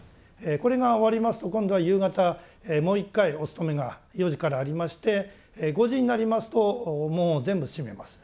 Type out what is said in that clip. これが終わりますと今度は夕方もう一回お勤めが４時からありまして５時になりますと門を全部閉めます。